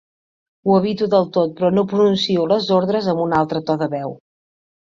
Ho evito del tot, però no pronuncio les ordres amb un altre to de veu.